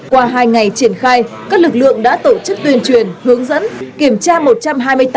qua hai ngày triển khai các lực lượng đã tổ chức tuyên truyền hướng dẫn kiểm tra một trăm hai mươi tám